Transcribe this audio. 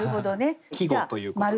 季語ということ。